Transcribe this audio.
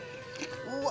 うわ！